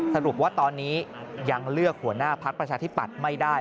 สรุปว่าตอนนี้ยังเลือกหัวหน้าพักประชาธิปัตย์ไม่ได้